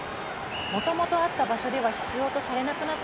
「もともとあった場所では必要とされなくなったものたち。